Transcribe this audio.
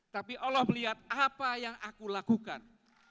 tapi allah melihat apa yang aku lakukan